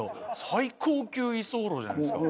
最高級居候じゃないですか。